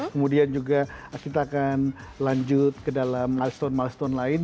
kemudian juga kita akan lanjut ke dalam milestone milestone lain